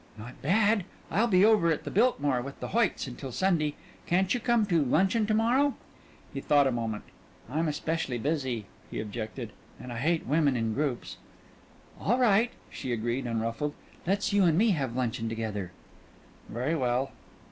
"Not bad. I'll be over at the Biltmore with the Hoyts until Sunday. Can't you come to luncheon to morrow?" He thought a moment. "I'm especially busy," he objected, "and I hate women in groups." "All right," she agreed, unruffled. "Let's you and me have luncheon together." "Very well."